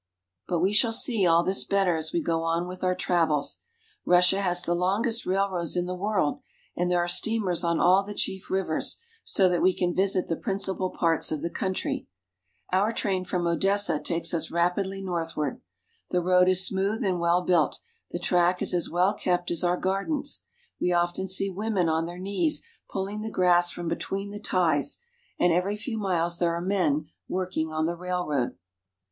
But we shall see all this better as we go on with our travels. Russia has the longest railroads in the world, and there are steamers on all the chief rivers, so that we can visit the principal parts of the country. Our train from Odessa takes us rapidly northward. The road is smooth and well built ; the track is as well kept as our gardens. We often see women on their knees pulling the grass from between the ties, and every few miles there are men working on the railroad.